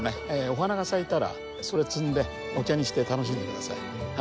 お花が咲いたらそれ摘んでお茶にして楽しんで下さい。